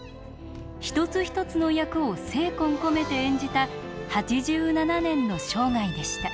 一つ一つの役を精魂込めて演じた８７年の生涯でした。